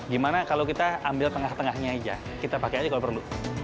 gimana kalau kita ambil tengah tengahnya aja kita pakai aja kalau perlu